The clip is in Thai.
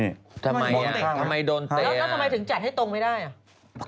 มันตรงข้างแล้วทำไมถึงจัดให้ตรงไม่ได้